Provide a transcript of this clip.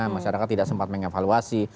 masyarakat tidak sempat mengevaluasi